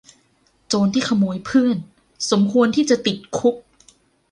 โจรที่ขโมยเพื่อนสมควรที่จะติดคุก